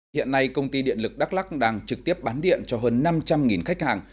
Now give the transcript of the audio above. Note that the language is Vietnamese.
hiện nay công ty điện lực đắk lắc đang trực tiếp bán điện cho hơn năm trăm linh khách hàng